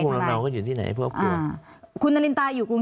กลุ่มนอกอยู่ที่ไหน